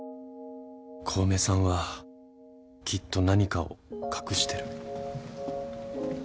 小梅さんはきっと何かを隠してる。